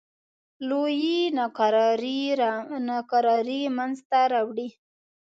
لویې ناکرارۍ منځته راوړې.